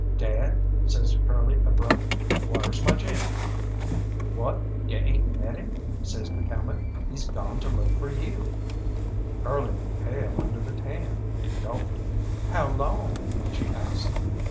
"Dad," says Curly abrupt, "whar's my Jim?" "What, you ain't met him?" says McCalmont. "He's gone to look for you." Curly went pale under the tan, and gulped. "How long?" she asked.